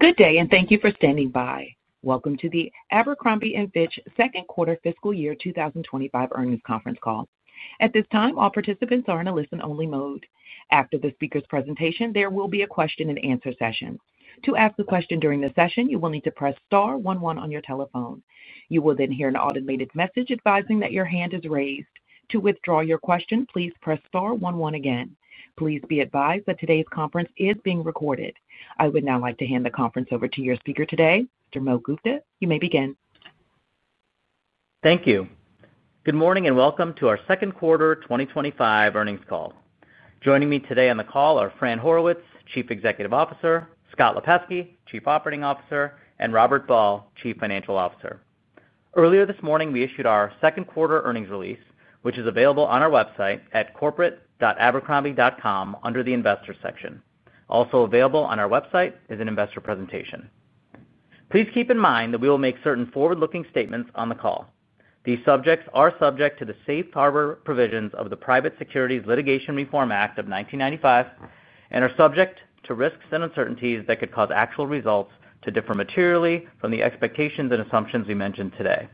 Good day and thank you for standing by. Welcome to the Abercrombie & Fitch Co. second quarter fiscal year 2025 earnings conference call. At this time, all participants are in a listen-only mode. After the speaker's presentation, there will be a question and answer session. To ask a question during the session, you will need to press *11 on your telephone. You will then hear an automated message advising that your hand is raised. To withdraw your question, please press *11 again. Please be advised that today's conference is being recorded. I would now like to hand the conference over to your speaker today, Mr. Mohit Gupta. You may begin. Thank you. Good morning and welcome to our second quarter 2025 earnings call. Joining me today on the call are Fran Horowitz, Chief Executive Officer, Scott Lipesky, Chief Operating Officer, and Robert Ball, Chief Financial Officer. Earlier this morning, we issued our second quarter earnings release, which is available on our website at corporate.abercrombie.com under the Investors section. Also available on our website is an investor presentation. Please keep in mind that we will make certain forward-looking statements on the call. These subjects are subject to the Safe Harbor provisions of the Private Securities Litigation Reform Act of 1995 and are subject to risks and uncertainties that could cause actual results to differ materially from the expectations and assumptions we mentioned today.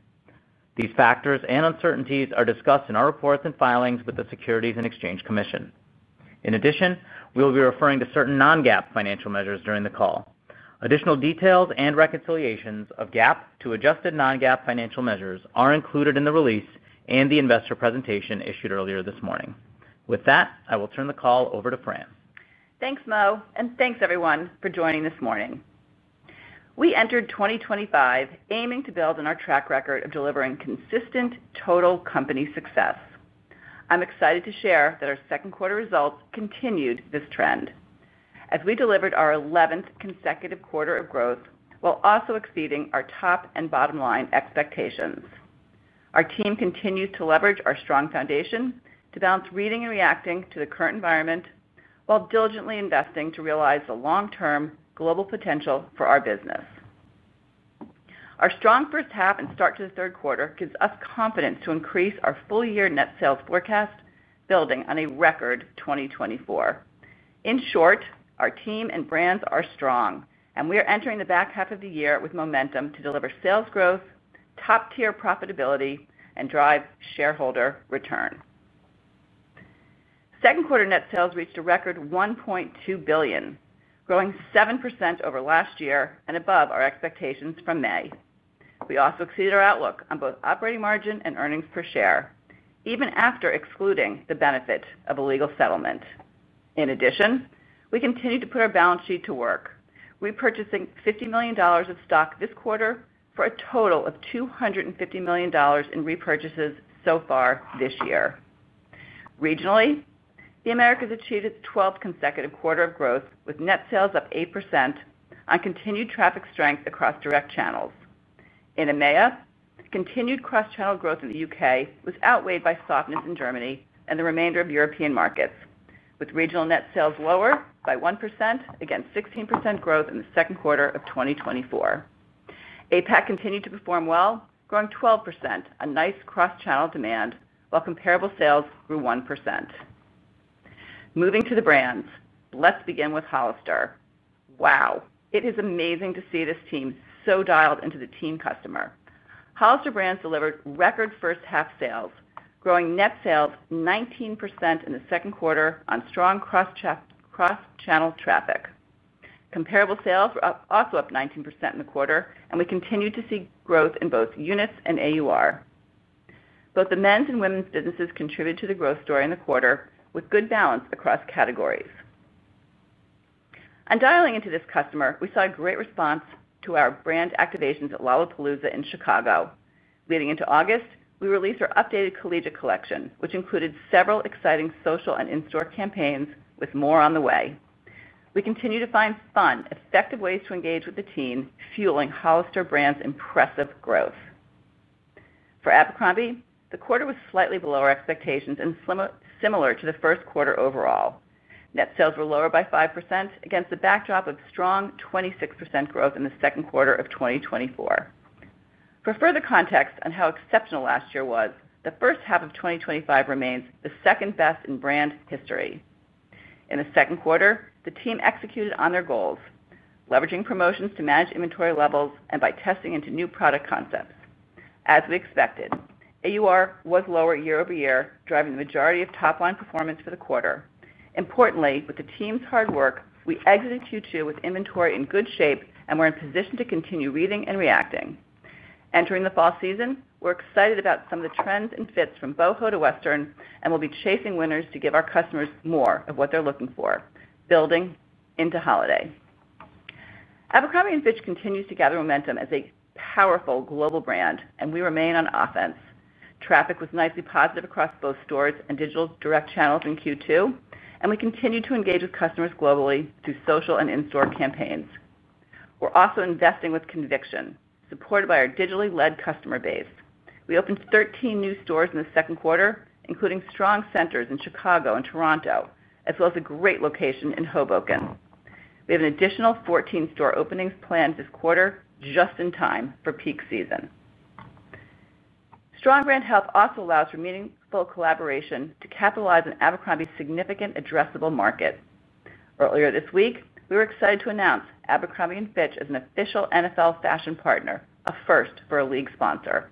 These factors and uncertainties are discussed in our reports and filings with the Securities and Exchange Commission. In addition, we will be referring to certain non-GAAP financial measures during the call. Additional details and reconciliations of GAAP to adjusted non-GAAP financial measures are included in the release and the investor presentation issued earlier this morning. With that, I will turn the call over to Fran. Thanks, Moh, and thanks, everyone, for joining this morning. We entered 2025 aiming to build on our track record of delivering consistent total company success. I'm excited to share that our second quarter results continued this trend, as we delivered our 11th consecutive quarter of growth while also exceeding our top and bottom line expectations. Our team continues to leverage our strong foundation to balance reading and reacting to the current environment while diligently investing to realize the long-term global potential for our business. Our strong first half and start to the third quarter gives us confidence to increase our full-year net sales forecast, building on a record 2024. In short, our team and brands are strong, and we are entering the back half of the year with momentum to deliver sales growth, top-tier profitability, and drive shareholder return. Second quarter net sales reached a record $1.2 billion, growing 7% over last year and above our expectations from May. We also exceeded our outlook on both operating margin and earnings per share, even after excluding the benefit of a litigation settlement. In addition, we continue to put our balance sheet to work, repurchasing $50 million of stock this quarter for a total of $250 million in repurchases so far this year. Regionally, the Americas achieved its 12th consecutive quarter of growth, with net sales up 8% on continued traffic strength across direct channels. In EMEA, continued cross-channel growth in the U.K. was outweighed by softness in Germany and the remainder of European markets, with regional net sales lower by 1% against 16% growth in the second quarter of 2024. APAC continued to perform well, growing 12% on nice cross-channel demand, while comparable sales grew 1%. Moving to the brands, let's begin with Hollister. Wow, it is amazing to see this team so dialed into the teen customer. Hollister Brands delivered record first-half sales, growing net sales 19% in the second quarter on strong cross-channel traffic. Comparable sales were also up 19% in the quarter, and we continued to see growth in both units and AUR. Both the men's and women's businesses contributed to the growth story in the quarter, with good balance across categories. On dialing into this customer, we saw a great response to our brand activations at Lollapalooza in Chicago. Leading into August, we released our updated Collegiate Collection, which included several exciting social and in-store campaigns, with more on the way. We continue to find fun, effective ways to engage with the team, fueling Hollister, Inc.'s impressive growth. For Abercrombie, the quarter was slightly below our expectations and similar to the first quarter overall. Net sales were lower by 5% against the backdrop of strong 26% growth in the second quarter of 2024. For further context on how exceptional last year was, the first half of 2025 remains the second best in brand history. In the second quarter, the team executed on their goals, leveraging promotions to manage inventory levels and by testing into new product concepts. As we expected, AUR was lower year-over-year, driving the majority of top-line performance for the quarter. Importantly, with the team's hard work, we exited Q2 with inventory in good shape and were in position to continue reading and reacting. Entering the fall season, we're excited about some of the trends and fits from Boho to Western, and we'll be chasing winners to give our customers more of what they're looking for, building into holiday. Abercrombie & Fitch continues to gather momentum as a powerful global brand, and we remain on offense. Traffic was nicely positive across both stores and digital direct channels in Q2, and we continue to engage with customers globally through social and in-store campaigns. We're also investing with conviction, supported by our digitally-led customer base. We opened 13 new stores in the second quarter, including strong centers in Chicago and Toronto, as well as a great location in Hoboken. We have an additional 14 store openings planned this quarter, just in time for peak season. Strong brand health also allows for meaningful collaboration to capitalize on Abercrombie significant addressable market. Earlier this week, we were excited to announce Abercrombie & Fitch as an official NFL fashion partner, a first for a league sponsor.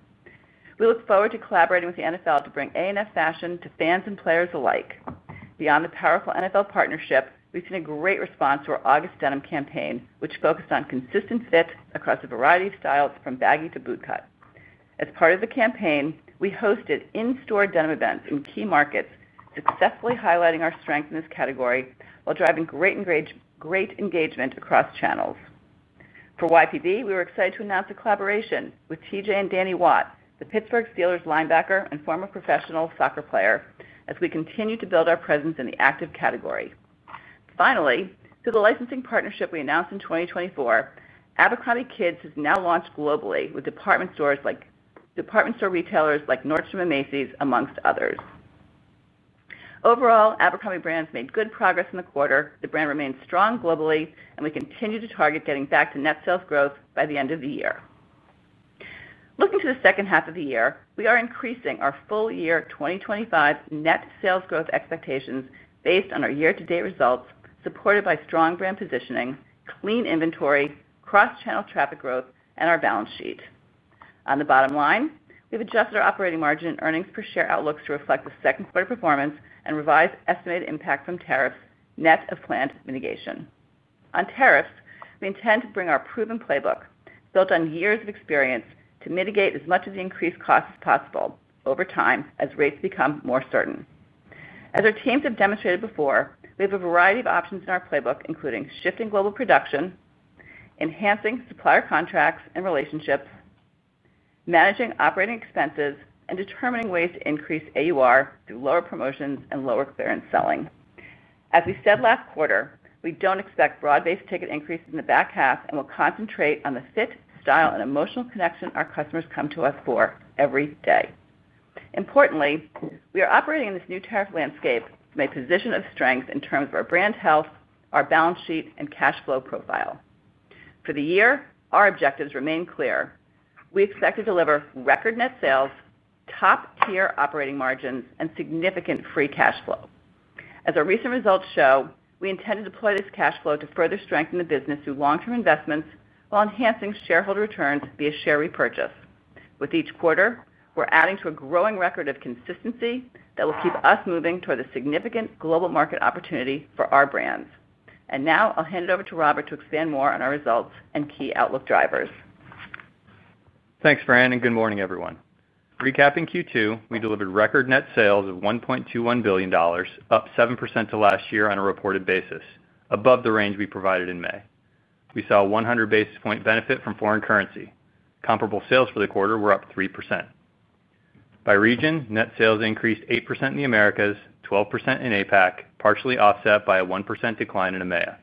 We look forward to collaborating with the NFL to bring A&F fashion to fans and players alike. Beyond the powerful NFL partnership, we've seen a great response to our August denim campaign, which focused on consistent fit across a variety of styles, from baggy to boot cut. As part of the campaign, we hosted in-store denim events in key markets, successfully highlighting our strength in this category while driving great engagement across channels. For YPB, we were excited to announce a collaboration with T.J. and Dani Watt, the Pittsburgh Steelers linebacker and former professional soccer player, as we continue to build our presence in the active category. Finally, through the licensing partnership we announced in 2024, Abercrombie Kids has now launched globally with department store retailers like Nordstrom and Macy's, amongst others. Overall, Abercrombie Brands made good progress in the quarter. The brand remains strong globally, and we continue to target getting back to net sales growth by the end of the year. Looking to the second half of the year, we are increasing our full-year 2025 net sales growth expectations based on our year-to-date results, supported by strong brand positioning, clean inventory, cross-channel traffic growth, and our balance sheet. On the bottom line, we've adjusted our operating margin and earnings per share outlooks to reflect the second quarter performance and revised estimated impact from tariffs, net of planned mitigation. On tariffs, we intend to bring our proven playbook, built on years of experience, to mitigate as much of the increased cost as possible over time as rates become more certain. As our teams have demonstrated before, we have a variety of options in our playbook, including shifting global production, enhancing supplier contracts and relationships, managing operating expenses, and determining ways to increase AUR through lower promotions and lower clearance selling. As we said last quarter, we don't expect broad-based ticket increases in the back half and will concentrate on the fit, style, and emotional connection our customers come to us for every day. Importantly, we are operating in this new tariff landscape from a position of strength in terms of our brand health, our balance sheet, and cash flow profile. For the year, our objectives remain clear. We expect to deliver record net sales, top-tier operating margins, and significant free cash flow. As our recent results show, we intend to deploy this cash flow to further strengthen the business through long-term investments while enhancing shareholder returns via share repurchase. With each quarter, we're adding to a growing record of consistency that will keep us moving toward a significant global market opportunity for our brands. Now, I'll hand it over to Robert to expand more on our results and key outlook drivers. Thanks, Fran, and good morning, everyone. Recapping Q2, we delivered record net sales of $1.21 billion, up 7% to last year on a reported basis, above the range we provided in May. We saw a 100 basis point benefit from foreign currency. Comparable sales for the quarter were up 3%. By region, net sales increased 8% in the Americas, 12% in APAC, partially offset by a 1% decline in EMEA.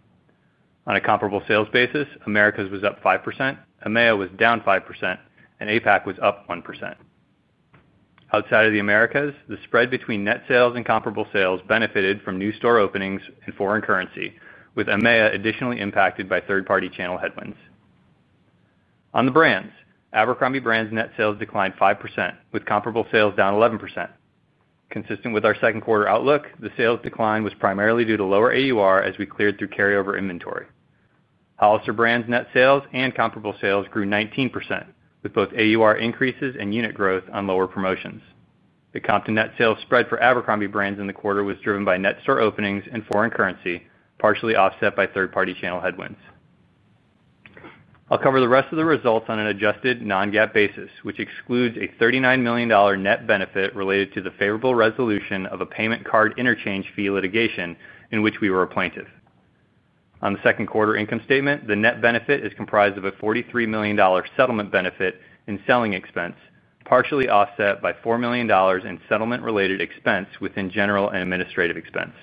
On a comparable sales basis, Americas was up 5%, EMEA was down 5%, and APAC was up 1%. Outside of the Americas, the spread between net sales and comparable sales benefited from new store openings in foreign currency, with EMEA additionally impacted by third-party channel headwinds. On the brands, Abercrombie Brands' net sales declined 5%, with comparable sales down 11%. Consistent with our second quarter outlook, the sales decline was primarily due to lower AUR as we cleared through carryover inventory. Hollister Brands' net sales and comparable sales grew 19%, with both AUR increases and unit growth on lower promotions. The comp to net sales spread for Abercrombie Brands in the quarter was driven by net store openings and foreign currency, partially offset by third-party channel headwinds. I'll cover the rest of the results on an adjusted non-GAAP basis, which excludes a $39 million net benefit related to the favorable resolution of a payment card interchange fee litigation in which we were a plaintiff. On the second quarter income statement, the net benefit is comprised of a $43 million settlement benefit in selling expense, partially offset by $4 million in settlement-related expense within general and administrative expense.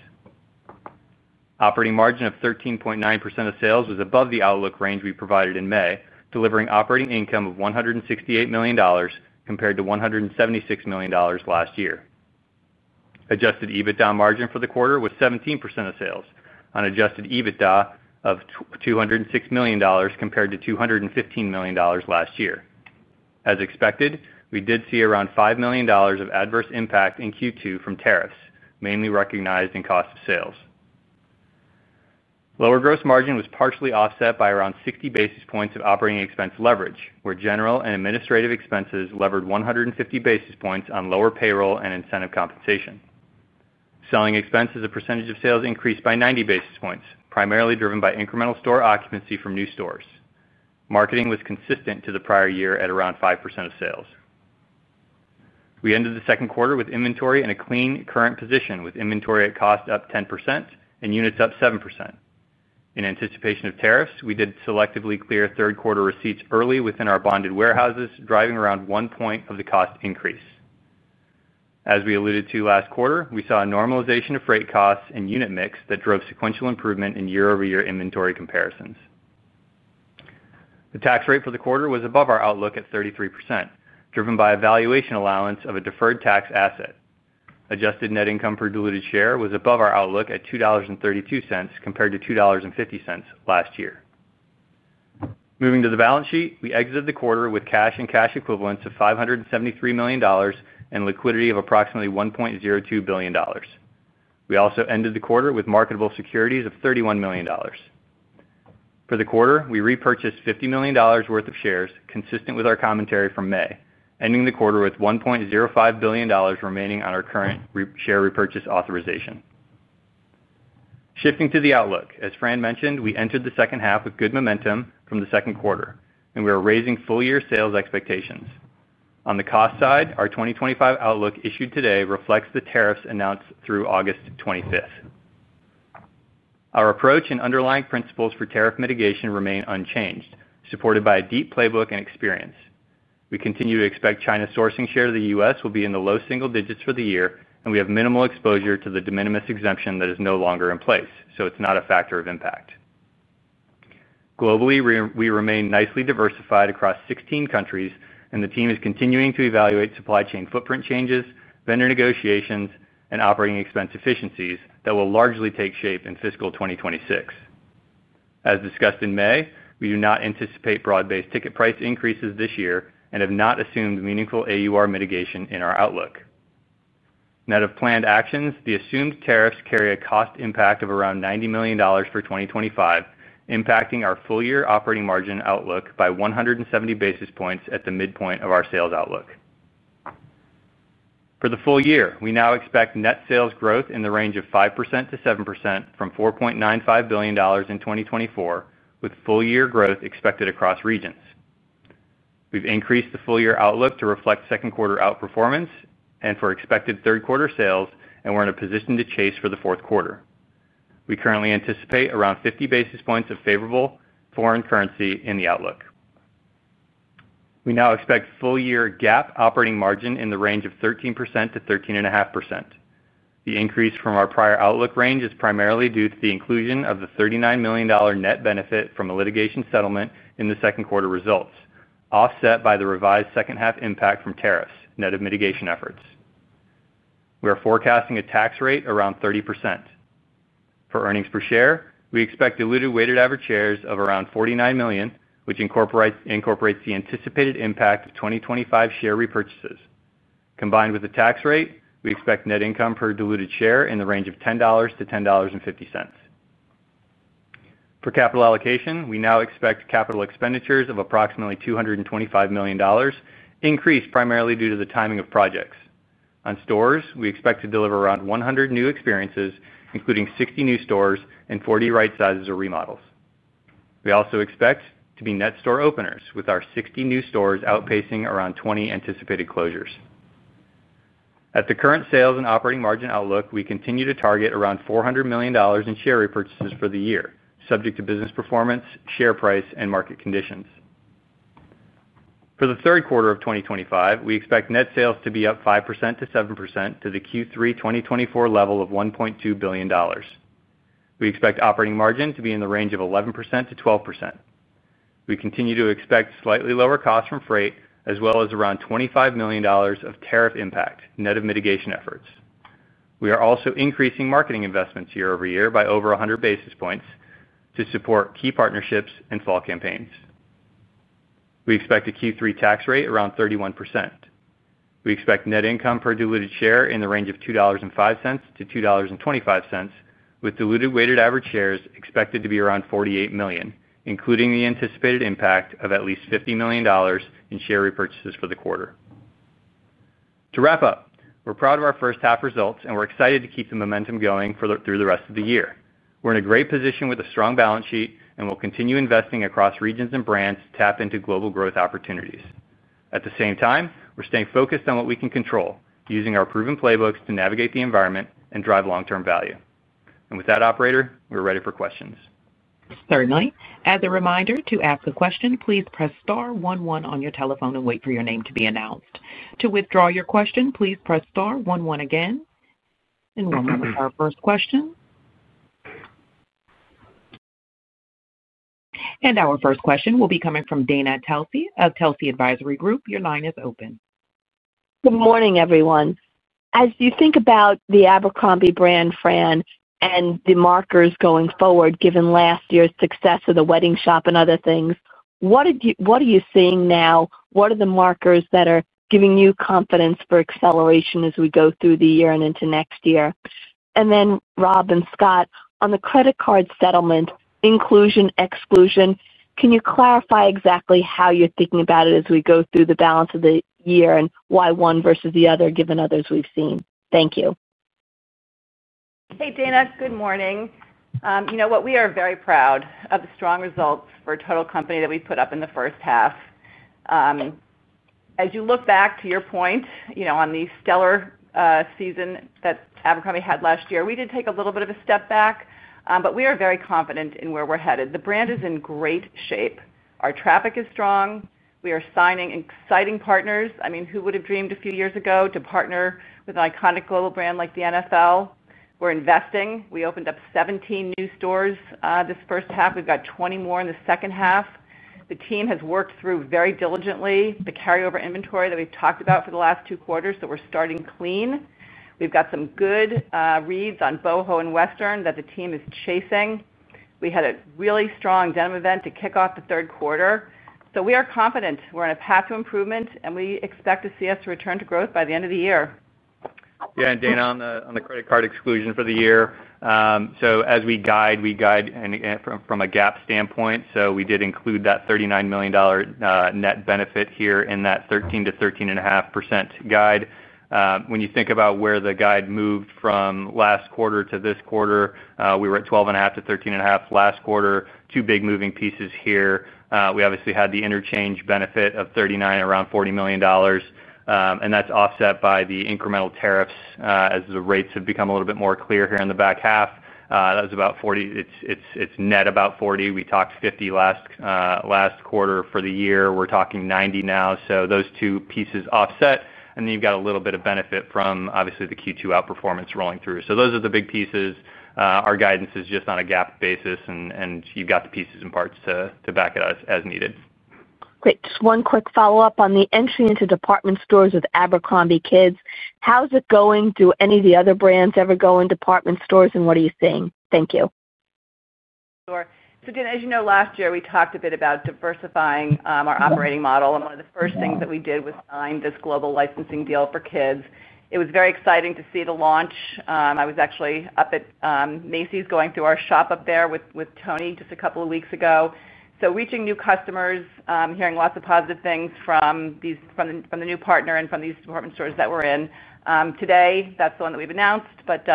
Operating margin of 13.9% of sales was above the outlook range we provided in May, delivering operating income of $168 million compared to $176 million last year. Adjusted EBITDA margin for the quarter was 17% of sales, on an adjusted EBITDA of $206 million compared to $215 million last year. As expected, we did see around $5 million of adverse impact in Q2 from tariffs, mainly recognized in cost of sales. Lower gross margin was partially offset by around 60 basis points of operating expense leverage, where general and administrative expenses levered 150 basis points on lower payroll and incentive compensation. Selling expense as a percentage of sales increased by 90 basis points, primarily driven by incremental store occupancy from new stores. Marketing was consistent to the prior year at around 5% of sales. We ended the second quarter with inventory in a clean, current position, with inventory at cost up 10% and units up 7%. In anticipation of tariffs, we did selectively clear third-quarter receipts early within our bonded warehouses, driving around one point of the cost increase. As we alluded to last quarter, we saw a normalization of freight costs and unit mix that drove sequential improvement in year-over-year inventory comparisons. The tax rate for the quarter was above our outlook at 33%, driven by a valuation allowance of a deferred tax asset. Adjusted net income per diluted share was above our outlook at $2.32 compared to $2.50 last year. Moving to the balance sheet, we exited the quarter with cash and cash equivalents of $573 million and liquidity of approximately $1.02 billion. We also ended the quarter with marketable securities of $31 million. For the quarter, we repurchased $50 million worth of shares, consistent with our commentary from May, ending the quarter with $1.05 billion remaining on our current share repurchase authorization. Shifting to the outlook, as Fran mentioned, we entered the second half with good momentum from the second quarter, and we are raising full-year sales expectations. On the cost side, our 2025 outlook issued today reflects the tariffs announced through August 25. Our approach and underlying principles for tariff mitigation remain unchanged, supported by a deep playbook and experience. We continue to expect China's sourcing share of the U.S. will be in the low single digits for the year, and we have minimal exposure to the de minimis exemption that is no longer in place, so it's not a factor of impact. Globally, we remain nicely diversified across 16 countries, and the team is continuing to evaluate supply chain footprint changes, vendor negotiations, and operating expense efficiencies that will largely take shape in fiscal 2026. As discussed in May, we do not anticipate broad-based ticket price increases this year and have not assumed meaningful AUR mitigation in our outlook. Out of planned actions, the assumed tariffs carry a cost impact of around $90 million for 2025, impacting our full-year operating margin outlook by 170 basis points at the midpoint of our sales outlook. For the full year, we now expect net sales growth in the range of 5% - 7% from $4.95 billion in 2024, with full-year growth expected across regions. We've increased the full-year outlook to reflect second-quarter outperformance and for expected third-quarter sales, and we're in a position to chase for the fourth quarter. We currently anticipate around 50 basis points of favorable foreign currency in the outlook. We now expect full-year GAAP operating margin in the range of 13% - 13.5%. The increase from our prior outlook range is primarily due to the inclusion of the $39 million net benefit from a litigation settlement in the second quarter results, offset by the revised second-half impact from tariffs net of mitigation efforts. We are forecasting a tax rate around 30%. For earnings per share, we expect diluted weighted average shares of around 49 million, which incorporates the anticipated impact of 2025 share repurchases. Combined with the tax rate, we expect net income per diluted share in the range of $10 - $10.50. For capital allocation, we now expect capital expenditures of approximately $225 million, increased primarily due to the timing of projects. On stores, we expect to deliver around 100 new experiences, including 60 new stores and 40 right sizes or remodels. We also expect to be net store openers, with our 60 new stores outpacing around 20 anticipated closures. At the current sales and operating margin outlook, we continue to target around $400 million in share repurchases for the year, subject to business performance, share price, and market conditions. For the third quarter of 2025, we expect net sales to be up 5% - 7% to the Q3 2024 level of $1.2 billion. We expect operating margin to be in the range of 11% - 12%. We continue to expect slightly lower costs from freight, as well as around $25 million of tariff impact net of mitigation efforts. We are also increasing marketing investments year-over-year by over 100 basis points to support key partnerships and fall campaigns. We expect a Q3 tax rate around 31%. We expect net income per diluted share in the range of $2.05 - $2.25, with diluted weighted average shares expected to be around 48 million, including the anticipated impact of at least $50 million in share repurchases for the quarter. To wrap up, we're proud of our first half results, and we're excited to keep the momentum going through the rest of the year. We're in a great position with a strong balance sheet, and we'll continue investing across regions and brands to tap into global growth opportunities. At the same time, we're staying focused on what we can control, using our proven playbooks to navigate the environment and drive long-term value. With that, operator, we're ready for questions. Certainly. As a reminder, to ask a question, please press *11 on your telephone and wait for your name to be announced. To withdraw your question, please press *11 again. In one moment, our first question. Our first question will be coming from Dana Telsey of Telsey Advisory Group. Your line is open. Good morning, everyone. As you think about the Abercrombie brand, Fran, and the markers going forward, given last year's success of the wedding shop and other things, what are you seeing now? What are the markers that are giving you confidence for acceleration as we go through the year and into next year? Rob and Scott, on the credit card settlement, inclusion, exclusion, can you clarify exactly how you're thinking about it as we go through the balance of the year and why one versus the other, given others we've seen? Thank you. Hey, Dana. Good morning. We are very proud of the strong results for a total company that we put up in the first half. As you look back to your point, on the stellar season that Abercrombie had last year, we did take a little bit of a step back, but we are very confident in where we're headed. The brand is in great shape. Our traffic is strong. We are signing exciting partners. I mean, who would have dreamed a few years ago to partner with an iconic global brand like the NFL? We're investing. We opened up 17 new stores this first half. We've got 20 more in the second half. The team has worked through very diligently the carryover inventory that we've talked about for the last two quarters, so we're starting clean. We've got some good reads on Boho and Western that the team is chasing. We had a really strong denim event to kick off the third quarter. We are confident we're on a path to improvement, and we expect to see us return to growth by the end of the year. Yeah, and Dana, on the credit card exclusion for the year, as we guide, we guide from a GAAP standpoint. We did include that $39 million net benefit here in that 13% - 13.5% guide. When you think about where the guide moved from last quarter to this quarter, we were at 12.5% - 13.5% last quarter. Two big moving pieces here: we obviously had the interchange benefit of $39 million, around $40 million, and that's offset by the incremental tariffs as the rates have become a little bit more clear here in the back half. That was about $40 million. It's net about $40 million. We talked $50 million last quarter for the year. We're talking $90 million now. Those two pieces offset, and then you've got a little bit of benefit from the Q2 outperformance rolling through. Those are the big pieces. Our guidance is just on a GAAP basis, and you've got the pieces and parts to back it up as needed. Great. Just one quick follow-up on the entry into department stores with Abercrombie Kids. How's it going? Do any of the other brands ever go in department stores, and what are you seeing? Thank you. Sure. Dana, as you know, last year we talked a bit about diversifying our operating model, and one of the first things that we did was sign this global licensing deal for kids. It was very exciting to see the launch. I was actually up at Macy's going through our shop up there with Tony just a couple of weeks ago. Reaching new customers, hearing lots of positive things from the new partner and from these department stores that we're in. Today, that's the one that we've announced, but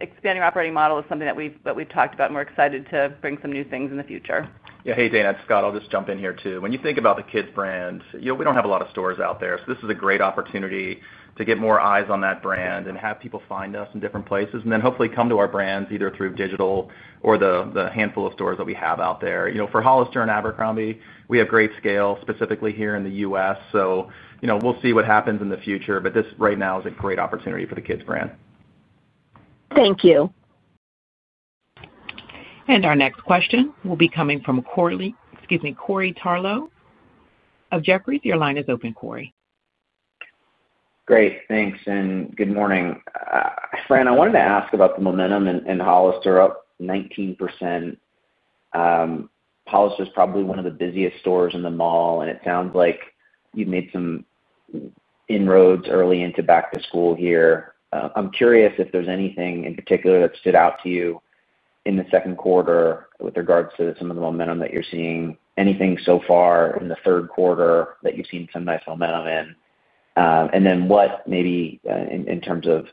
expanding our operating model is something that we've talked about, and we're excited to bring some new things in the future. Yeah, hey, Dana, it's Scott. I'll just jump in here too. When you think about the kids' brand, you know, we don't have a lot of stores out there, so this is a great opportunity to get more eyes on that brand and have people find us in different places and then hopefully come to our brands either through digital or the handful of stores that we have out there. For Hollister and Abercrombie, we have great scale specifically here in the U.S., so you know, we'll see what happens in the future, but this right now is a great opportunity for the kids' brand. Thank you. Our next question will be coming from Corey Tarlowe of Jefferies. Your line is open, Corey. Great, thanks, and good morning. Fran, I wanted to ask about the momentum in Hollister, up 19%. Hollister's probably one of the busiest stores in the mall, and it sounds like you've made some inroads early into back-to-school here. I'm curious if there's anything in particular that stood out to you in the second quarter with regards to some of the momentum that you're seeing. Is there anything so far in the third quarter that you've seen some nice momentum in? What maybe in terms of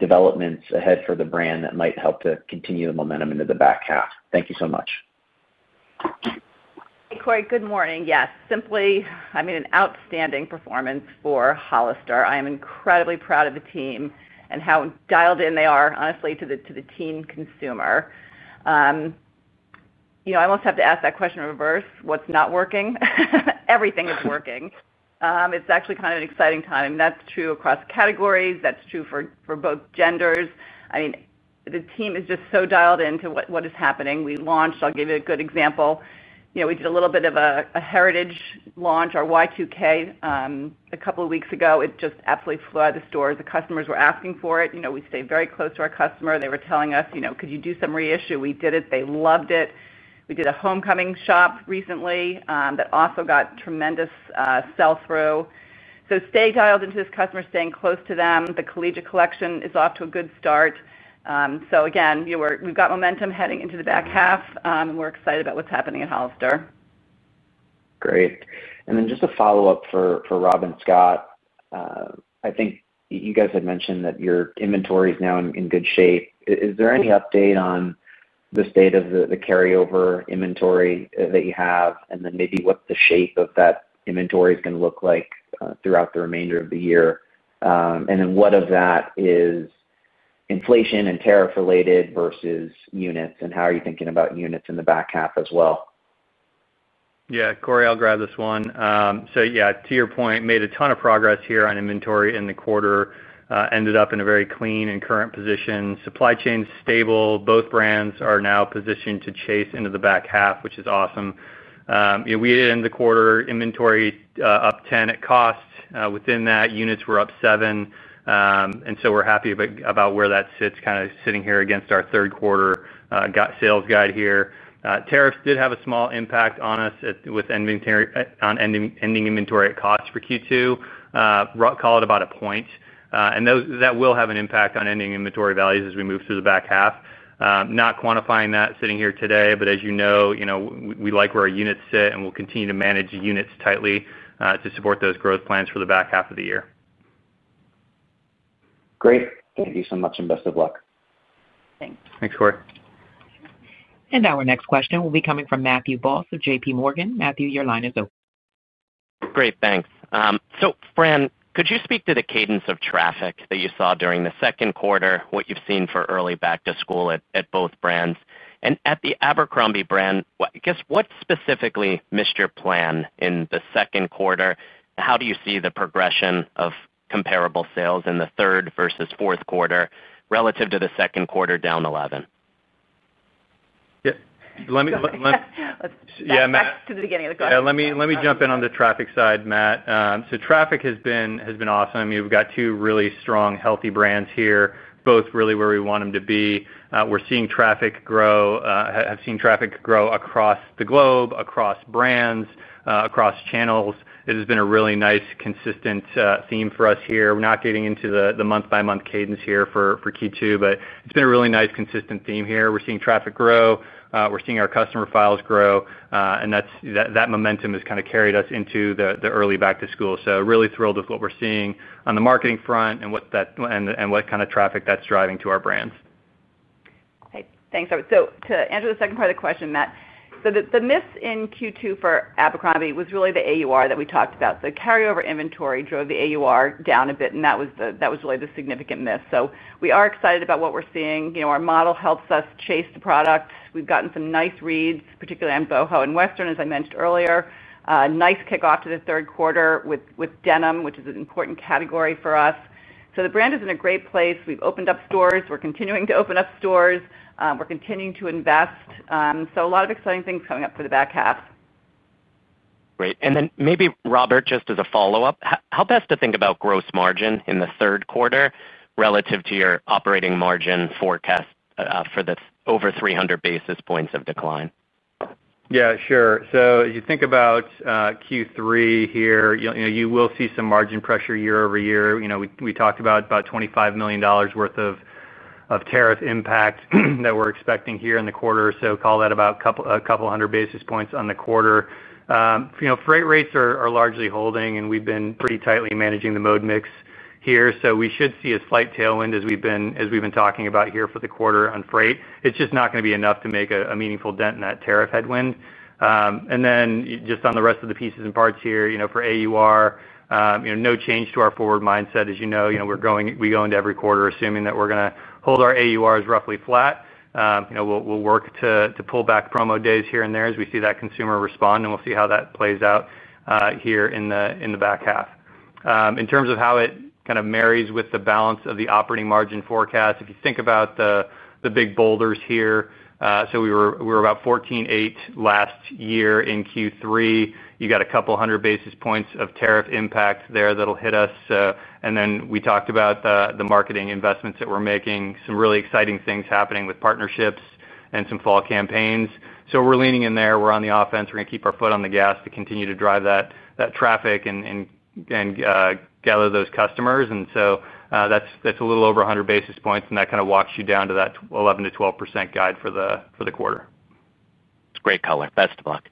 developments ahead for the brand might help to continue the momentum into the back half? Thank you so much. Hey, Corey. Good morning. Yes, simply, I mean, an outstanding performance for Hollister. I am incredibly proud of the team and how dialed in they are, honestly, to the teen consumer. I almost have to ask that question in reverse. What's not working? Everything is working. It's actually kind of an exciting time. That's true across categories. That's true for both genders. I mean, the team is just so dialed into what is happening. We launched, I'll give you a good example. We did a little bit of a heritage launch, our Y2K, a couple of weeks ago. It just absolutely flew out of the stores. The customers were asking for it. We stayed very close to our customer. They were telling us, could you do some reissue? We did it. They loved it. We did a homecoming shop recently that also got tremendous sell-through. Staying dialed into this customer, staying close to them. The Collegiate Collection is off to a good start. We have momentum heading into the back half, and we're excited about what's happening at Hollister. Great. Just a follow-up for Rob and Scott. I think you guys had mentioned that your inventory is now in good shape. Is there any update on the state of the carryover inventory that you have, and maybe what the shape of that inventory is going to look like throughout the remainder of the year? What of that is inflation and tariff-related versus units, and how are you thinking about units in the back half as well? Yeah, Corey, I'll grab this one. To your point, made a ton of progress here on inventory in the quarter. Ended up in a very clean and current position. Supply chain's stable. Both brands are now positioned to chase into the back half, which is awesome. We did end the quarter inventory up 10% at cost. Within that, units were up 7%, and we're happy about where that sits, kind of sitting here against our third quarter sales guide. Tariffs did have a small impact on us on ending inventory at cost for Q2. Robert called it about a point, and that will have an impact on ending inventory values as we move through the back half. Not quantifying that sitting here today, but as you know, we like where our units sit, and we'll continue to manage units tightly to support those growth plans for the back half of the year. Great. Thank you so much, and best of luck. Thanks. Thanks, Corey. Our next question will be coming from Matthew Boss of JPMorgan. Matthew, your line is open. Great, thanks. Fran, could you speak to the cadence of traffic that you saw during the second quarter, what you've seen for early back-to-school at both brands? At the Abercrombie brand, what specifically missed your plan in the second quarter? How do you see the progression of comparable sales in the third versus fourth quarter relative to the second quarter down 11%? Let me. Yeah, Matt. Back to the beginning of the question. Let me jump in on the traffic side, Matt. Traffic has been awesome. I mean, we've got two really strong, healthy brands here, both really where we want them to be. We're seeing traffic grow, have seen traffic grow across the globe, across brands, across channels. It has been a really nice, consistent theme for us here. We're not getting into the month-by-month cadence here for Q2, but it's been a really nice, consistent theme here. We're seeing traffic grow. We're seeing our customer files grow, and that momentum has kind of carried us into the early back-to-school. Really thrilled with what we're seeing on the marketing front and what kind of traffic that's driving to our brands. Thanks, Robert. To answer the second part of the question, Matt, the miss in Q2 for Abercrombie was really the AUR that we talked about. The carryover inventory drove the AUR down a bit, and that was really the significant miss. We are excited about what we're seeing. You know, our model helps us chase the product. We've gotten some nice reads, particularly on Boho and Western, as I mentioned earlier. A nice kickoff to the third quarter with denim, which is an important category for us. The brand is in a great place. We've opened up stores. We're continuing to open up stores. We're continuing to invest. A lot of exciting things coming up for the back half. Great. Robert, just as a follow-up, how best to think about gross margin in the third quarter relative to your operating margin forecast for the over 300 basis points of decline? Yeah, sure. If you think about Q3 here, you will see some margin pressure year-over-year. We talked about about $25 million worth of tariff impact that we're expecting here in the quarter. Call that about a couple hundred basis points on the quarter. Freight rates are largely holding, and we've been pretty tightly managing the mode mix here. We should see a slight tailwind as we've been talking about here for the quarter on freight. It's just not going to be enough to make a meaningful dent in that tariff headwind. On the rest of the pieces and parts here, for AUR, no change to our forward mindset. As you know, we go into every quarter assuming that we're going to hold our AURs roughly flat. We'll work to pull back promo days here and there as we see that consumer respond, and we'll see how that plays out here in the back half. In terms of how it kind of marries with the balance of the operating margin forecast, if you think about the big boulders here, we were about 14.8% last year in Q3. You got a couple hundred basis points of tariff impact there that'll hit us. We talked about the marketing investments that we're making, some really exciting things happening with partnerships and some fall campaigns. We're leaning in there. We're on the offense. We're going to keep our foot on the gas to continue to drive that traffic and gather those customers. That's a little over 100 basis points, and that kind of walks you down to that 11% - 12% guide for the quarter. Great color. Best of luck.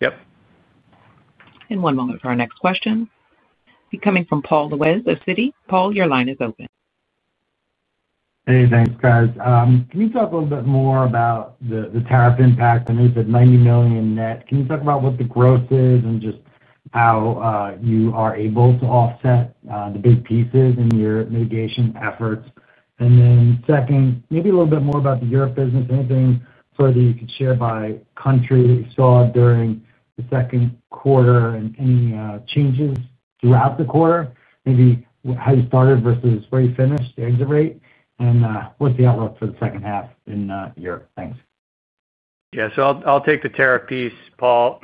Yep. One moment for our next question. Coming from Paul Lejuez of Citi. Paul, your line is open. Hey, thanks, guys. Can you talk a little bit more about the tariff impact? I mean, you said $90 million net. Can you talk about what the growth is and just how you are able to offset the big pieces in your mitigation efforts? Second, maybe a little bit more about the Europe business. Anything further you could share by country that you saw during the second quarter and any changes throughout the quarter? Maybe how you started versus where you finished, the exit rate, and what's the outlook for the second half in Europe? Thanks. Yeah, I'll take the tariff piece, Paul.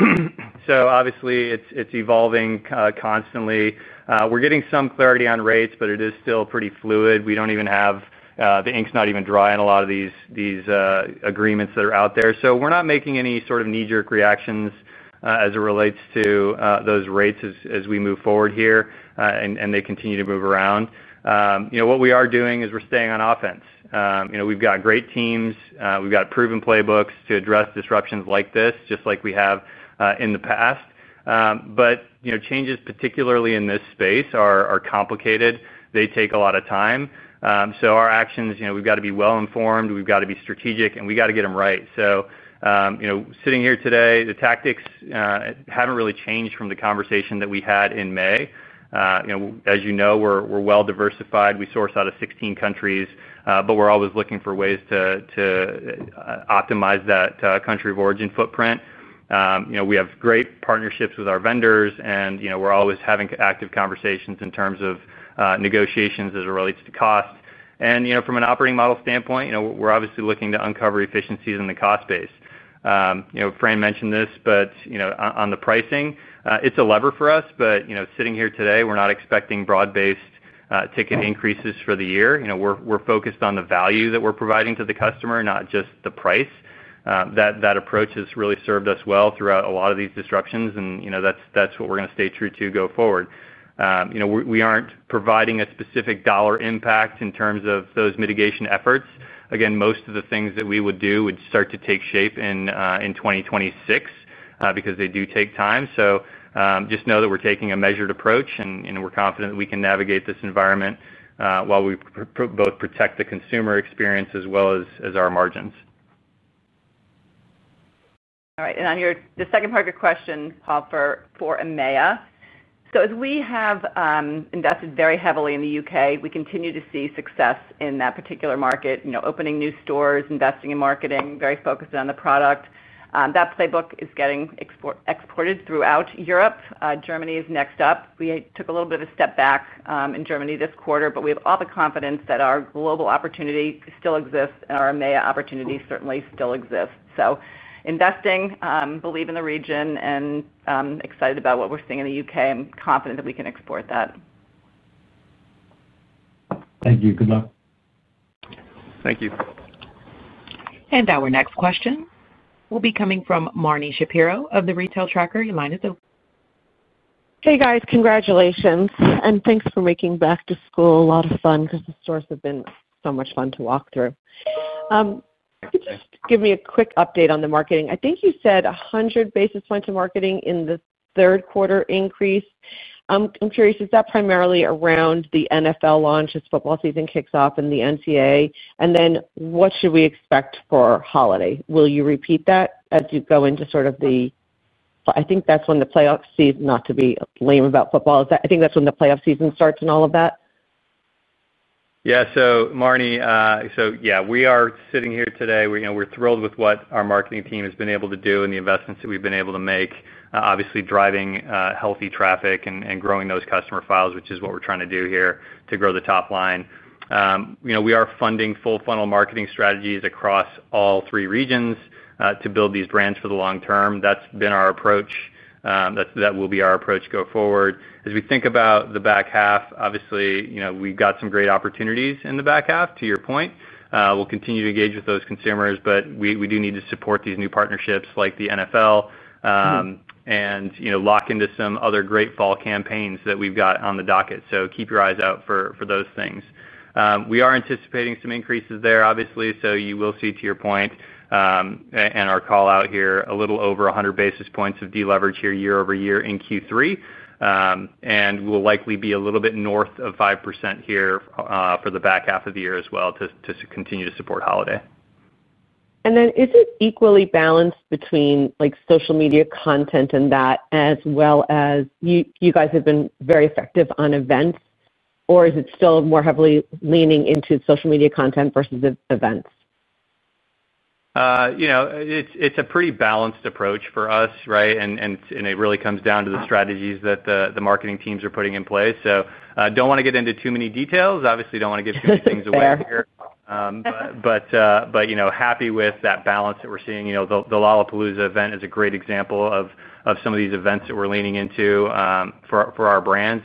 Obviously, it's evolving constantly. We're getting some clarity on rates, but it is still pretty fluid. We don't even have the ink's not even dry in a lot of these agreements that are out there. We're not making any sort of knee-jerk reactions as it relates to those rates as we move forward here and they continue to move around. What we are doing is we're staying on offense. We've got great teams. We've got proven playbooks to address disruptions like this, just like we have in the past. Changes, particularly in this space, are complicated. They take a lot of time. Our actions, we've got to be well-informed. We've got to be strategic, and we got to get them right. Sitting here today, the tactics haven't really changed from the conversation that we had in May. As you know, we're well-diversified. We source out of 16 countries, but we're always looking for ways to optimize that country of origin footprint. We have great partnerships with our vendors, and we're always having active conversations in terms of negotiations as it relates to cost. From an operating model standpoint, we're obviously looking to uncover efficiencies in the cost base. Fran mentioned this, but on the pricing, it's a lever for us. Sitting here today, we're not expecting broad-based ticket increases for the year. We're focused on the value that we're providing to the customer, not just the price. That approach has really served us well throughout a lot of these disruptions, and that's what we're going to stay true to go forward. We aren't providing a specific dollar impact in terms of those mitigation efforts. Most of the things that we would do would start to take shape in 2026 because they do take time. Just know that we're taking a measured approach, and we're confident that we can navigate this environment while we both protect the consumer experience as well as our margins. All right. On the second part of your question, Paul, for EMEA, as we have invested very heavily in the U.K., we continue to see success in that particular market, opening new stores, investing in marketing, very focused on the product. That playbook is getting exported throughout Europe. Germany is next up. We took a little bit of a step back in Germany this quarter, but we have all the confidence that our global opportunity still exists and our EMEA opportunity certainly still exists. Investing, believe in the region, and excited about what we're seeing in the U.K.. I'm confident that we can export that. Thank you. Good luck. Thank you. Our next question will be coming from Marni Shapiro of The Retail Tracker. Your line is open. Hey, guys. Congratulations and thanks for making back-to-school a lot of fun because the stores have been so much fun to walk through. Could you just give me a quick update on the marketing? I think you said 100 basis points of marketing in the third quarter increase. I'm curious, is that primarily around the NFL fashion partnership launch as football season kicks off and the NCAA? What should we expect for holiday? Will you repeat that as you go into sort of the, I think that's when the playoff season, not to be lame about football, is that I think that's when the playoff season starts and all of that? Yeah, Marnie, we are sitting here today. We're thrilled with what our marketing team has been able to do and the investments that we've been able to make, obviously driving healthy traffic and growing those customer files, which is what we're trying to do here to grow the top line. We are funding full-funnel marketing strategies across all three regions to build these brands for the long term. That's been our approach. That will be our approach going forward. As we think about the back half, obviously, we got some great opportunities in the back half, to your point. We'll continue to engage with those consumers, but we do need to support these new partnerships like the NFL fashion partnership and lock into some other great fall campaigns that we've got on the docket. Keep your eyes out for those things. We are anticipating some increases there, obviously, so you will see, to your point, and our call out here, a little over 100 basis points of deleverage here year over year in Q3. We'll likely be a little bit north of 5% here for the back half of the year as well to continue to support holiday. Is it equally balanced between social media content and that, as well as you guys have been very effective on events, or is it still more heavily leaning into social media content versus events? It's a pretty balanced approach for us, right? It really comes down to the strategies that the marketing teams are putting in place. I don't want to get into too many details. Obviously, I don't want to give too many things away here. Happy with that balance that we're seeing. The Lollapalooza event is a great example of some of these events that we're leaning into for our brands.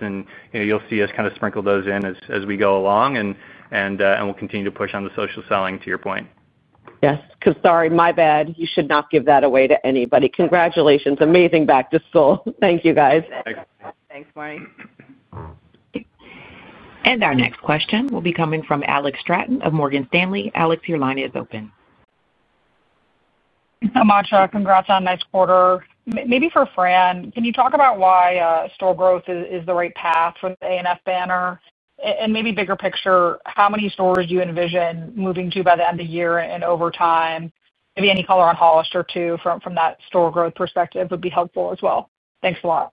You'll see us kind of sprinkle those in as we go along. We'll continue to push on the social selling, to your point. Yes, sorry, my bad. You should not give that away to anybody. Congratulations. Amazing back-to-school. Thank you, guys. Thanks. Thanks, Marnie. Our next question will be coming from Alex Straton of Morgan Stanley. Alexandra, your line is open. Hi, Masha. Congrats on next quarter. Maybe for Fran, can you talk about why store growth is the right path for the A&F banner? Maybe bigger picture, how many stores do you envision moving to by the end of the year and over time? Any color on Hollister too from that store growth perspective would be helpful as well. Thanks a lot.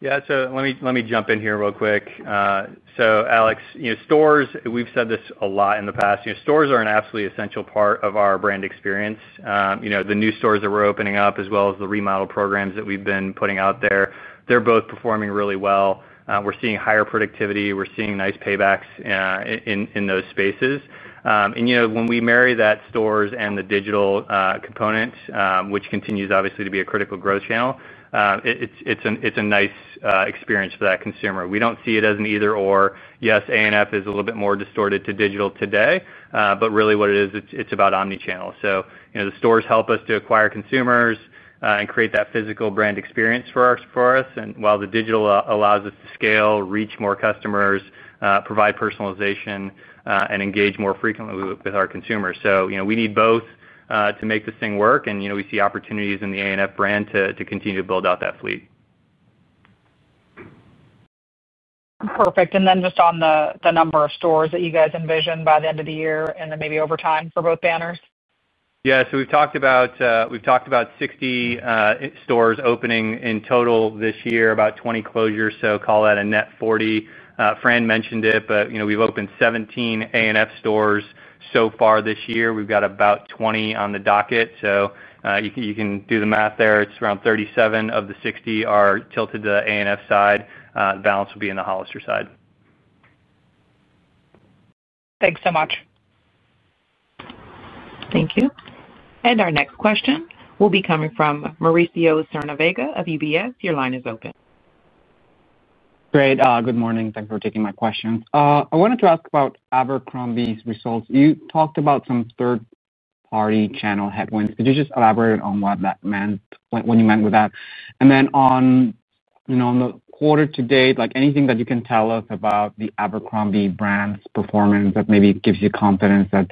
Let me jump in here real quick. Alex, you know, stores, we've said this a lot in the past. Stores are an absolutely essential part of our brand experience. The new stores that we're opening up, as well as the remodel programs that we've been putting out there, they're both performing really well. We're seeing higher productivity and nice paybacks in those spaces. When we marry that stores and the digital component, which continues obviously to be a critical growth channel, it's a nice experience for that consumer. We don't see it as an either-or. Yes, A&F is a little bit more distorted to digital today, but really what it is, it's about omnichannel. The stores help us to acquire consumers and create that physical brand experience for us, while the digital allows us to scale, reach more customers, provide personalization, and engage more frequently with our consumers. We need both to make this thing work. We see opportunities in the A&F brand to continue to build out that fleet. Perfect. On the number of stores that you guys envision by the end of the year and then maybe over time for both banners? Yeah, we've talked about 60 stores opening in total this year, about 20 closures. Call that a net 40. Fran mentioned it, but we've opened 17 A&F stores so far this year. We've got about 20 on the docket. You can do the math there. It's around 37 of the 60 are tilted to the A&F side. The balance will be on the Hollister side. Thanks so much. Thank you. Our next question will be coming from Mauricio Serna of UBS. Your line is open. Great. Good morning. Thanks for taking my question. I wanted to ask about Abercrombie's results. You talked about some third-party channel headwinds. Could you just elaborate on what that meant, what you meant with that? On the quarter to date, is there anything that you can tell us about the Abercrombie brand's performance that maybe gives you confidence that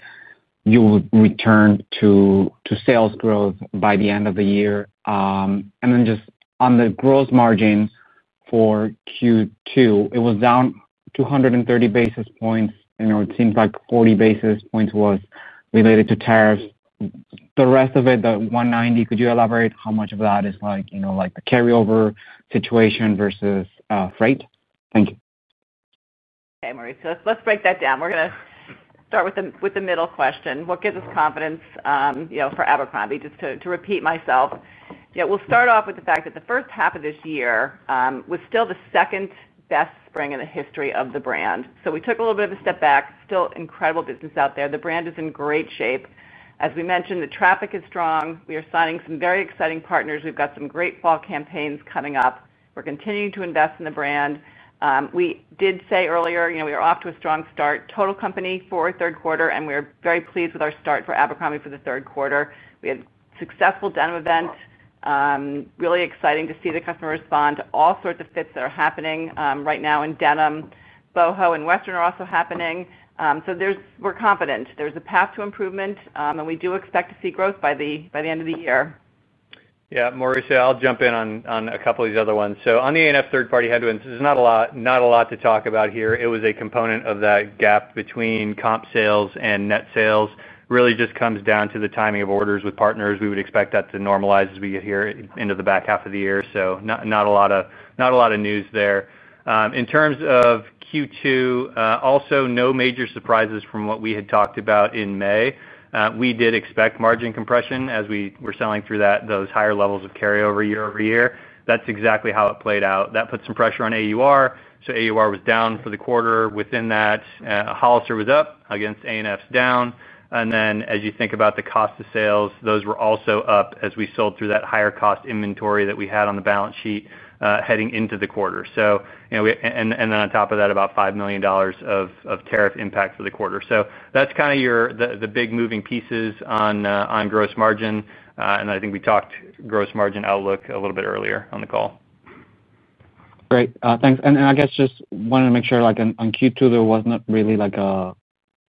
you will return to sales growth by the end of the year? On the gross margin for Q2, it was down 230 basis points. It seems like 40 basis points was related to tariffs. The rest of it, the 190, could you elaborate how much of that is a carryover situation versus freight? Thank you. Hey, Mauricio, let's break that down. We're going to start with the middle question. What gives us confidence, you know, for Abercrombie? Just to repeat myself, you know, we'll start off with the fact that the first half of this year was still the second-best spring in the history of the brand. We took a little bit of a step back. Still incredible business out there. The brand is in great shape. As we mentioned, the traffic is strong. We are signing some very exciting partners. We've got some great fall campaigns coming up. We're continuing to invest in the brand. We did say earlier, you know, we are off to a strong start. Total company for third quarter, and we are very pleased with our start for Abercrombie for the third quarter. We had a successful denim event. Really exciting to see the customer respond to all sorts of fits that are happening right now in denim. Boho and Western are also happening. We're confident there's a path to improvement, and we do expect to see growth by the end of the year. Yeah, Mauricio, I'll jump in on a couple of these other ones. On the Abercrombie & Fitch Co. third-party headwinds, there's not a lot to talk about here. It was a component of that gap between comp sales and net sales. It really just comes down to the timing of orders with partners. We would expect that to normalize as we get here into the back half of the year. Not a lot of news there. In terms of Q2, also no major surprises from what we had talked about in May. We did expect margin compression as we were selling through those higher levels of carryover year over year. That's exactly how it played out. That put some pressure on AUR. AUR was down for the quarter. Within that, Hollister, Inc. was up against Abercrombie & Fitch Co.'s down. As you think about the cost of sales, those were also up as we sold through that higher cost inventory that we had on the balance sheet heading into the quarter. On top of that, about $5 million of tariff impact for the quarter. Those are the big moving pieces on gross margin. I think we talked gross margin outlook a little bit earlier on the call. Great, thanks. I guess just wanted to make sure, like on Q2, there was not really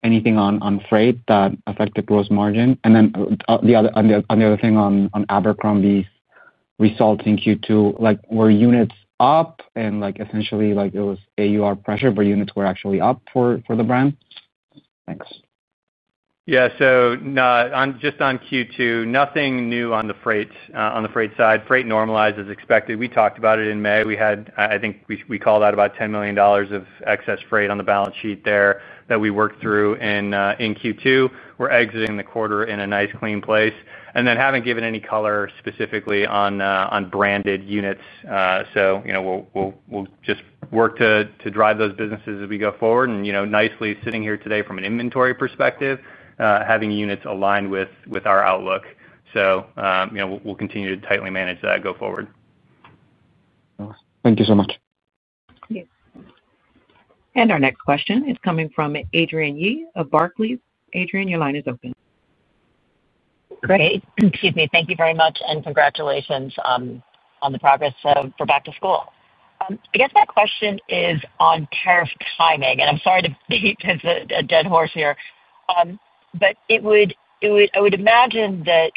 anything on freight that affected gross margin. The other thing on Abercrombie & Fitch's results in Q2, like were units up and essentially it was AUR pressure, but units were actually up for the brand? Thanks. Yeah, just on Q2, nothing new on the freight side. Freight normalized as expected. We talked about it in May. We had, I think we called that about $10 million of excess freight on the balance sheet there that we worked through in Q2. We're exiting the quarter in a nice, clean place. We haven't given any color specifically on branded units. We'll just work to drive those businesses as we go forward. Nicely sitting here today from an inventory perspective, having units aligned with our outlook. We'll continue to tightly manage that going forward. Thank you so much. Thank you very much and congratulations on the progress for back-to-school. My question is on tariff timing. I'm sorry to beat a dead horse here, but I would imagine that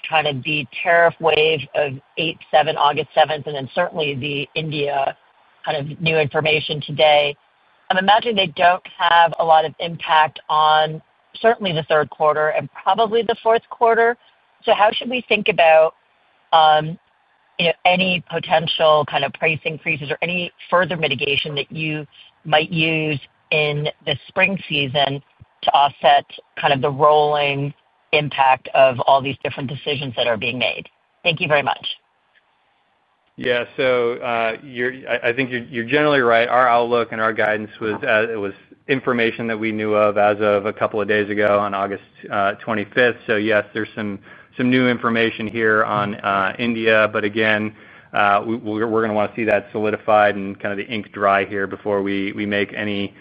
the tariff wave of August 7th and then certainly the India new information today, I'm imagining they don't have a lot of impact on the third quarter and probably the fourth quarter. How should we think about any potential price increases or any further mitigation that you might use in the spring season to offset the rolling impact of all these different decisions that are being made? Thank you very much. Yeah, I think you're generally right. Our outlook and our guidance was information that we knew of as of a couple of days ago on August 25. Yes, there's some new information here on India. Again, we're going to want to see that solidified and the ink dry here before we make any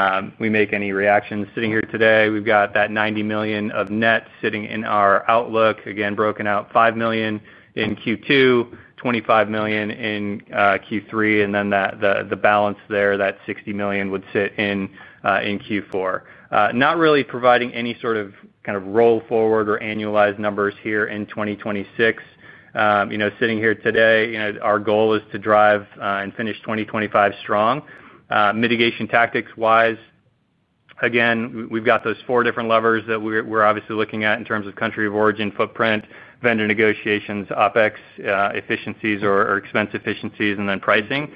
reactions. Sitting here today, we've got that $90 million of net sitting in our outlook. Again, broken out $5 million in Q2, $25 million in Q3, and then the balance there, that $60 million would sit in Q4. Not really providing any sort of roll forward or annualized numbers here in 2026. Sitting here today, our goal is to drive and finish 2025 strong. Mitigation tactics-wise, we've got those four different levers that we're obviously looking at in terms of country of origin footprint, vendor negotiations, operating expense efficiencies, and then pricing.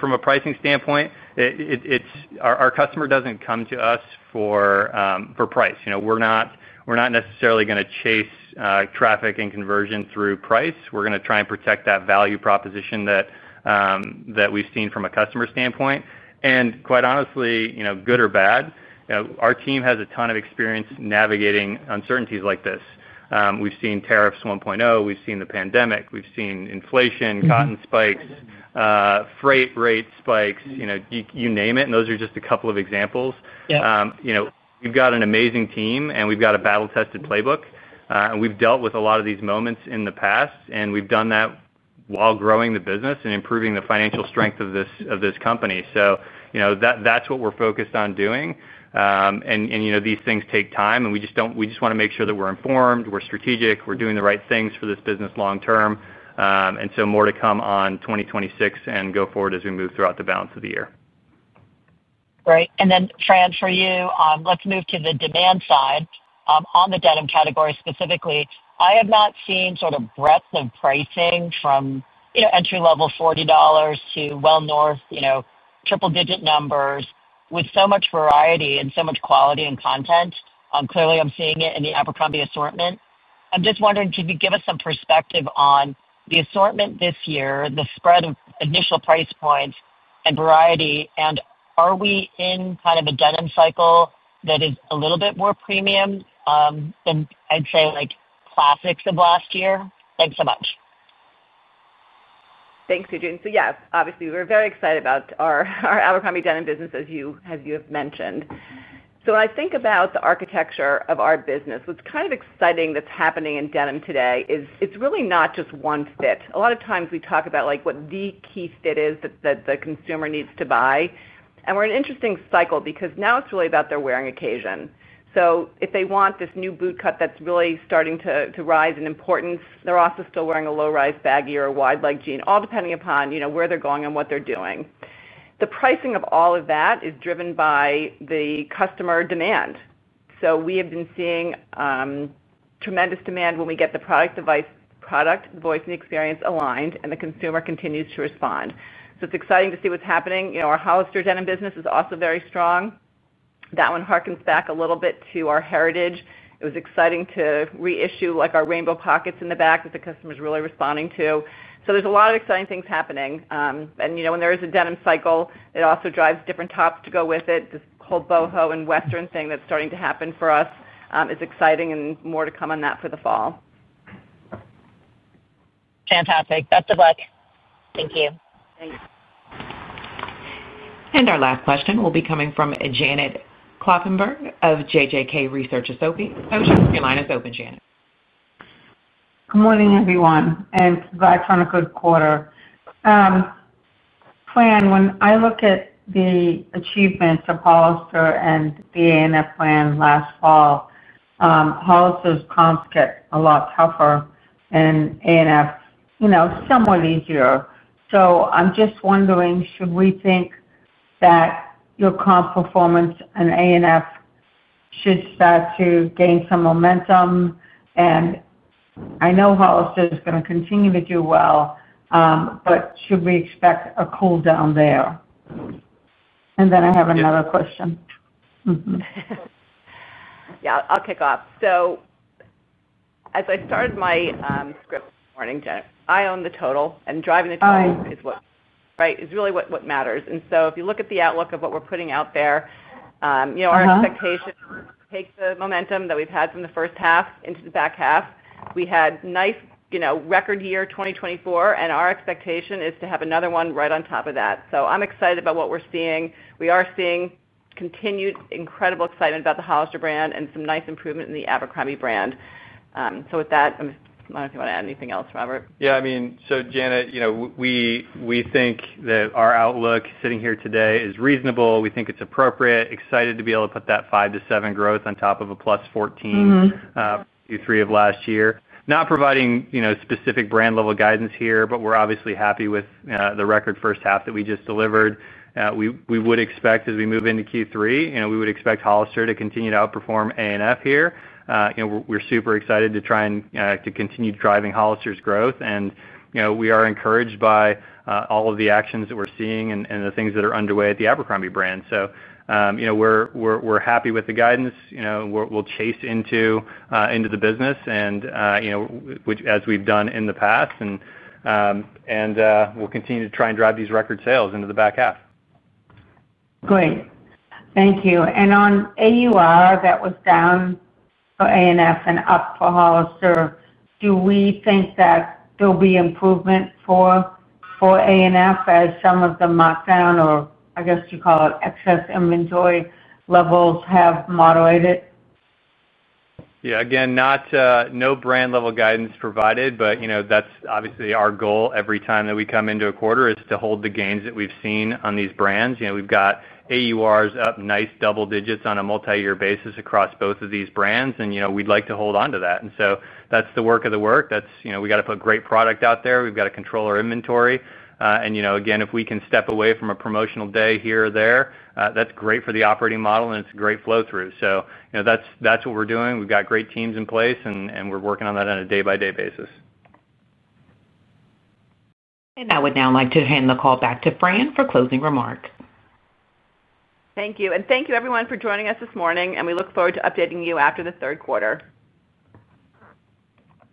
From a pricing standpoint, our customer doesn't come to us for price. We're not necessarily going to chase traffic and conversion through price. We're going to try and protect that value proposition that we've seen from a customer standpoint. Quite honestly, good or bad, our team has a ton of experience navigating uncertainties like this. We've seen tariffs 1.0. We've seen the pandemic. We've seen inflation, cotton spikes, freight rate spikes, you name it, and those are just a couple of examples. We've got an amazing team, and we've got a battle-tested playbook. We've dealt with a lot of these moments in the past, and we've done that while growing the business and improving the financial strength of this company. That's what we're focused on doing. These things take time, and we just want to make sure that we're informed, we're strategic, we're doing the right things for this business long term. More to come on 2026 and go forward as we move throughout the balance of the year. Great. Fran, for you, let's move to the demand side on the denim category specifically. I have not seen sort of breadth of pricing from, you know, entry-level $40 to well north, you know, triple-digit numbers with so much variety and so much quality and content. Clearly, I'm seeing it in the Abercrombie assortment. I'm just wondering, could you give us some perspective on the assortment this year, the spread of initial price points and variety? Are we in kind of a denim cycle that is a little bit more premium than, I'd say, like classics of last year? Thanks so much. Thanks, Adrian. Yes, obviously, we're very excited about our Abercrombie denim business, as you have mentioned. When I think about the architecture of our business, what's kind of exciting that's happening in denim today is it's really not just one fit. A lot of times we talk about what the key fit is that the consumer needs to buy. We're in an interesting cycle because now it's really about their wearing occasion. If they want this new boot cut that's really starting to rise in importance, they're also still wearing a low-rise baggy or a wide-leg jean, all depending upon, you know, where they're going and what they're doing. The pricing of all of that is driven by the customer demand. We have been seeing tremendous demand when we get the product, the voice, and the experience aligned, and the consumer continues to respond. It's exciting to see what's happening. Our Hollister denim business is also very strong. That one harkens back a little bit to our heritage. It was exciting to reissue our rainbow pockets in the back that the customer's really responding to. There's a lot of exciting things happening. When there is a denim cycle, it also drives different tops to go with it. This whole Boho and Western thing that's starting to happen for us is exciting, and more to come on that for the fall. Fantastic. Best of luck. Thank you. Thanks. Our last question will be coming from Janet Kloppenburg of JJK Research Associates. Host, your line is open, Janet. Good morning, everyone, and goodbye from the good quarter. Fran, when I look at the achievements of Hollister and the Abercrombie & Fitch plan last fall, Hollister's comps get a lot tougher, and Abercrombie & Fitch's, you know, somewhat easier. I'm just wondering, should we think that your comp performance in Abercrombie & Fitch should start to gain some momentum? I know Hollister is going to continue to do well, but should we expect a cooldown there? I have another question. I'll kick off. As I started my script this morning, Janet, I own the total, and driving the total is what really matters. If you look at the outlook of what we're putting out there, our expectation takes the momentum that we've had from the first half into the back half. We had a nice, record year 2024, and our expectation is to have another one right on top of that. I'm excited about what we're seeing. We are seeing continued incredible excitement about the Hollister brand and some nice improvement in the Abercrombie brand. With that, I don't know if you want to add anything else, Robert. Yeah, I mean, Janet, we think that our outlook sitting here today is reasonable. We think it's appropriate, excited to be able to put that 5-7% growth on top of a plus 14% Q3 of last year. Not providing specific brand-level guidance here, but we're obviously happy with the record first half that we just delivered. We would expect, as we move into Q3, Hollister to continue to outperform Abercrombie & Fitch here. We're super excited to try and continue driving Hollister's growth. We are encouraged by all of the actions that we're seeing and the things that are underway at the Abercrombie brand. We're happy with the guidance. We'll chase into the business, as we've done in the past, and we'll continue to try and drive these record sales into the back half. Thank you. On AUR, that was down for Abercrombie & Fitch and up for Hollister. Do we think that there will be improvement for Abercrombie & Fitch as some of the markdown, or I guess you call it excess inventory levels, have moderated? Yeah, again, no brand-level guidance provided, but that's obviously our goal every time that we come into a quarter is to hold the gains that we've seen on these brands. We've got AURs up nice double digits on a multi-year basis across both of these brands, and we'd like to hold on to that. That's the work of the work. We've got to put a great product out there. We've got to control our inventory. If we can step away from a promotional day here or there, that's great for the operating model, and it's a great flow-through. That's what we're doing. We've got great teams in place, and we're working on that on a day-by-day basis. I would now like to hand the call back to Fran for closing remarks. Thank you. Thank you, everyone, for joining us this morning. We look forward to updating you after the third quarter.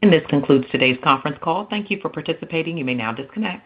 This concludes today's conference call. Thank you for participating. You may now disconnect.